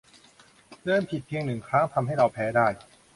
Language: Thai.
เดินผิดเพียงหนึ่งครั้งทำให้เราแพ้ได้